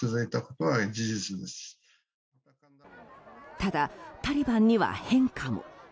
ただ、タリバンには変化も。